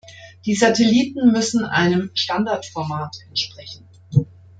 Die Satelliten müssen einem Standardformat entsprechen.